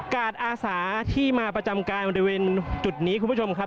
อาสาที่มาประจำกายบริเวณจุดนี้คุณผู้ชมครับ